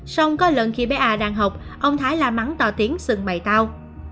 xong có lần khi bé a đang học ông thái la mắng tỏ tiếng sừng mầy tao